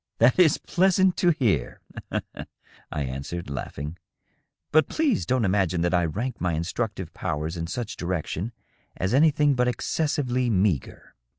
"That is pleasant to hear,'^ I answered, laughing. "But please don't imagine that I rank my instructive powers in such direction as anything but excessively meagre.''